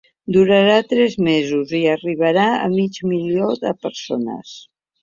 Durarà tres mesos i arribarà a mig milió de persones.